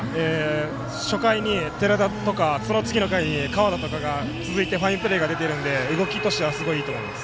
初回に寺田とか次の回に河田とかが続いていいプレーが出ているので動きとしてはすごくいいと思います。